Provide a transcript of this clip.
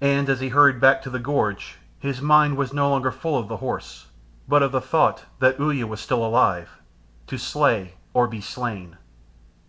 And as he hurried back to the gorge his mind was no longer full of the horse, but of the thought that Uya was still alive, to slay or be slain.